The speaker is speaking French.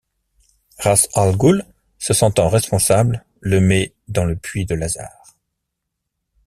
Ra's al ghul se sentant responsable le met dans le puits de Lazare.